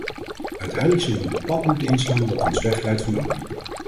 Uiteindelijk zullen we een pad moeten inslaan dat ons wegleidt van olie.